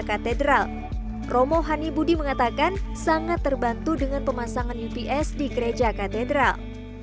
katedral romo hani budi mengatakan sangat terbantu dengan pemasangan ups di gereja katedral